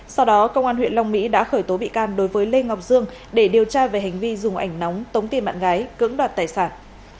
sau đó công an huyện long mỹ đã khởi tố bị can đối với lê ngọc dương để điều tra về hành vi dùng ảnh nóng tống tiền bạn gái cưỡng đoạt tài sản